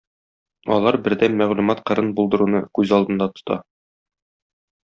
Алар бердәм мәгълүмат кырын булдыруны күз алдында тота.